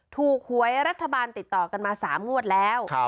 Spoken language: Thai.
หวยรัฐบาลติดต่อกันมา๓งวดแล้ว